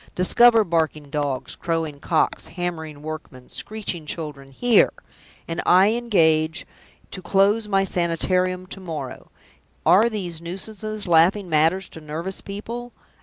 Discover barking dogs, crowing cocks, hammering workmen, screeching children here and I engage to close My Sanitarium to morrow! Are these nuisances laughing matters to nervous people?